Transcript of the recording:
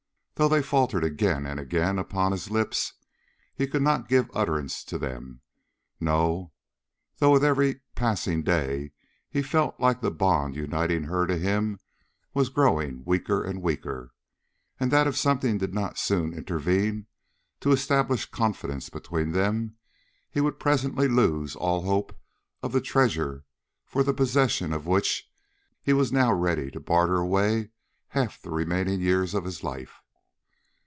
Though they faltered again and again upon his lips, he could not give utterance to them; no, though with every passing day he felt that the bond uniting her to him was growing weaker and weaker, and that if something did not soon intervene to establish confidence between them, he would presently lose all hope of the treasure for the possession of which he was now ready to barter away half the remaining years of his life.